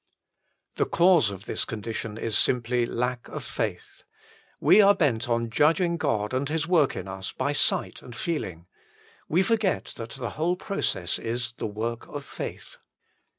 The cause of this condition is simply lack of faith. We are bent on judging God and His work in us by sight and feeling. We forget that the whole process is the work of faith.